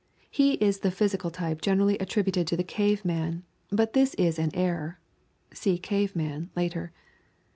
He is the physical type generally attributed to the cave man, but this is an error. (See cave man, later.)